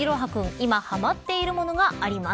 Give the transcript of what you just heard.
今、はまっているものがあります。